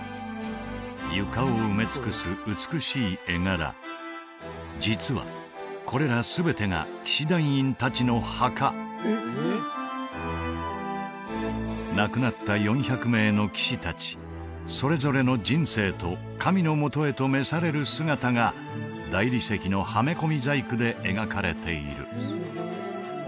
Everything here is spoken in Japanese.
床を埋め尽くす美しい絵柄実はこれら全てが騎士団員達の墓亡くなった４００名の騎士達それぞれの人生と神のもとへと召される姿が大理石のはめ込み細工で描かれている